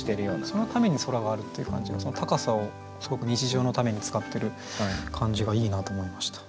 そのために空があるっていう感じが高さをすごく日常のために使ってる感じがいいなと思いました。